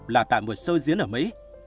là tại một show diễn ở mỹ